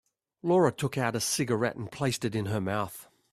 Laura took out a cigarette and placed it in her mouth.